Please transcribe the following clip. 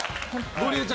ゴリエちゃん